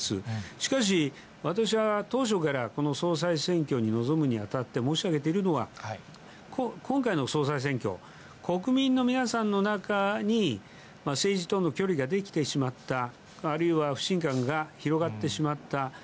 しかし私は当初から、この総裁選挙に臨むにあたって申し上げているのは、今回の総裁選挙、国民の皆さんの中に政治との距離が出来てしまった、あるいは不信感が広がってしまった。